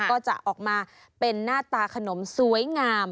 ก็จะออกมาเป็นหน้าตาขนมสวยงาม